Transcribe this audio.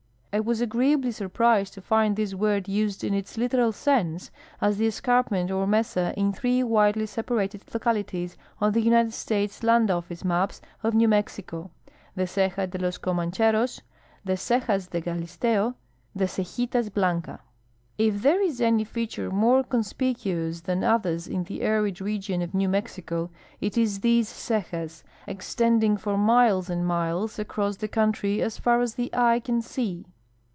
I was agreeably surprised to find this word used in its literal sense as the escarpment or mesa in three widely separated localities on the United States Land Office maps of New Mexico — the Ceja de los Comancheros, the Cejas de Galisteo, the Cejitas Blanca. If there is any feature more conspicuous than others in the arid region of New Mexico it is these cejas, extending for miles and miles across the country as far as the eye can see.